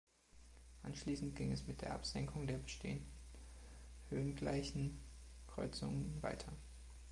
Anschließend ging es mit der Absenkung der bestehenden höhengleichen Kreuzungen weiter.